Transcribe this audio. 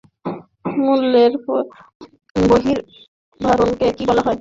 মূলের বহিরাবরণকে কী বলা হয়?